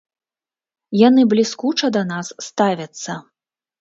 Яны бліскуча да нас ставяцца.